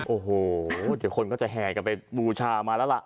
โอ้โหเดี๋ยวคนก็จะแห่กันไปบูชามาแล้วล่ะ